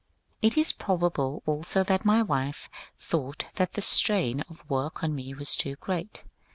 It is probable also that my wife thought that the strain of work on me was too great.